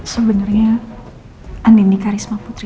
sebenernya andini karisma putri